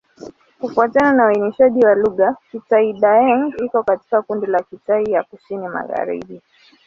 Kufuatana na uainishaji wa lugha, Kitai-Daeng iko katika kundi la Kitai ya Kusini-Magharibi.